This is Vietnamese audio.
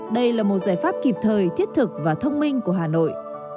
đây là một giải pháp kịp thời thiết thực và thông minh của hà nội